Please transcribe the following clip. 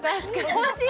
欲しい！